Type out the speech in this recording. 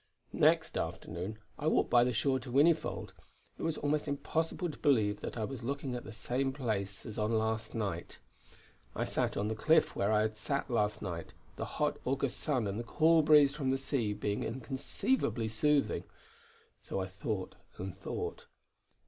Next afternoon I walked by the shore to Whinnyfold. It was almost impossible to believe that I was looking at the same place as on last night. I sat on the cliff where I had sat last night, the hot August sun and the cool breeze from the sea being inconceivably soothing. So I thought and thought....